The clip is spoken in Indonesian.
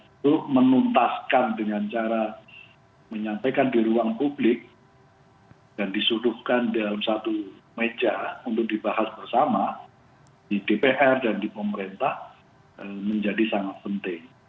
untuk menuntaskan dengan cara menyampaikan di ruang publik dan disuduhkan dalam satu meja untuk dibahas bersama di dpr dan di pemerintah menjadi sangat penting